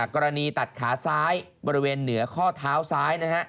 กรณีตัดขาซ้ายบริเวณเหนือข้อเท้าซ้าย